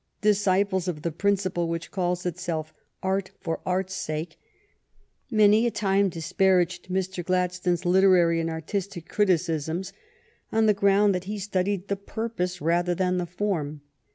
Disciples of the principle which calls itself " art for art's sake " many a time disparaged Mr. Gladstone's literary and artis tic criticisms on the ground that he studied the purpose rather than the form.